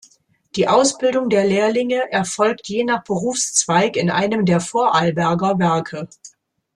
Die Ausbildung der Lehrlinge erfolgt je nach Berufszweig in einem der Vorarlberger Werke.